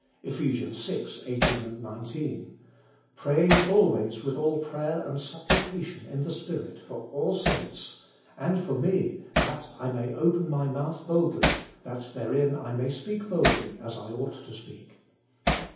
Eph. VL 18, 19 :" Praying always with all prayer and supplication in the Spirit, for all saints ; and for me that I may open my mouth boldly, that therein I may speak boldly as I ought to speak."